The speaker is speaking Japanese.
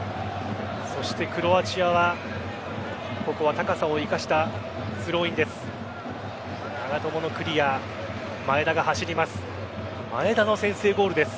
そしてクロアチアはここは高さを生かしたスローインです。